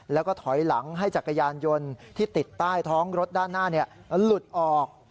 แล้วก็ถอยหลังให้จักรยานยนต์ที่ติดใต้ท้องรถด้านหน้าหลุดออก